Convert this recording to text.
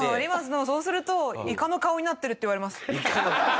でもそうすると「いかの顔になってる」って言われます。